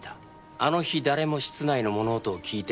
あの日誰も室内の物音を聞いていない。